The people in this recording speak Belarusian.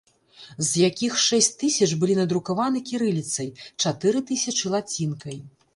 З якіх шэсць тысяч былі надрукаваны кірыліцай, чатыры тысячы лацінкай.